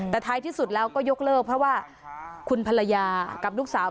แต่ท้ายที่สุดแล้วก็ยกเลิกเพราะว่าคุณภรรยากับลูกสาว